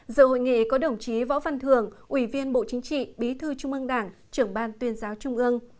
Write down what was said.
dự hội nghị có đồng chí võ văn thường ủy viên bộ chính trị bí thư trung ương đảng trưởng ban tuyên giáo trung ương